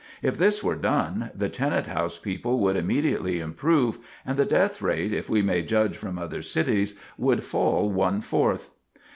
If this were done, the tenant house people would immediately improve, and the death rate, if we may judge from other cities, would fall one fourth.